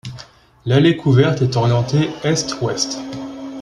L'allée couverte est orientée est-ouest.